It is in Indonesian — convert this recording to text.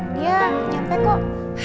dia nyampe kok